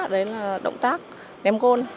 đấy là động tác ném côn